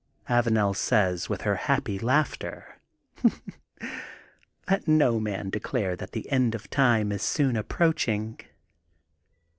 Avanel says with her happy laughter: Let no man declare that the end of time is soon approaching.